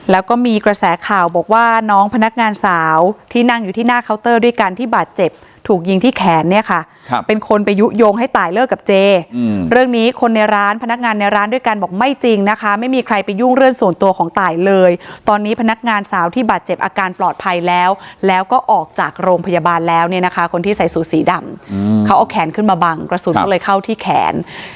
แล้วก็มีกระแสข่าวบอกว่าน้องพนักงานสาวที่นั่งอยู่ที่หน้าเคาน์เตอร์ด้วยกันที่บาดเจ็บถูกยิงที่แขนเนี่ยค่ะเป็นคนไปยุ้งให้ตายเลิกกับเจเรื่องนี้คนในร้านพนักงานในร้านด้วยกันบอกไม่จริงนะคะไม่มีใครไปยุ่งเรื่องส่วนตัวของตายเลยตอนนี้พนักงานสาวที่บาดเจ็บอาการปลอดภัยแล้วแล้วก็ออกจากโรงพยาบาลแล